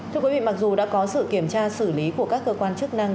thưa quý vị mặc dù đã có sự kiểm tra xử lý của các cơ quan chức năng